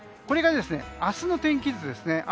これが、明日の天気図ですね。